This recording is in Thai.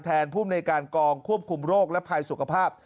ภูมิในการกองควบคุมโรคและภัยสุขภาพ